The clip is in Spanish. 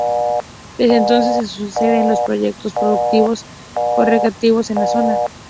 Desde entonces se suceden los proyectos productivos o recreativos en la zona.